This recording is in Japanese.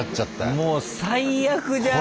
もう最悪じゃん。